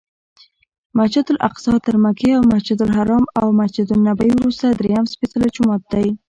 مسجدالاقصی تر مکې او مسجدالحرام او مسجدنبوي وروسته درېیم سپېڅلی جومات دی.